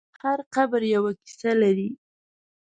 هر قبر یوه کیسه لري.